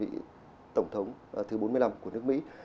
vị tổng thống thứ bốn mươi năm của nước mỹ